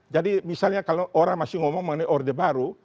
jadi misalnya kalau orang masih ngomong mengenai orde baru